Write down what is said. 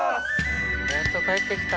やっと帰って来た。